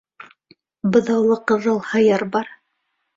Быҙаулы ҡыҙыл һыйыр бар.